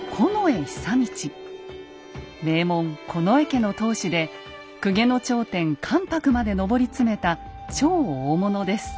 名門近衛家の当主で公家の頂点関白まで上り詰めた超大物です。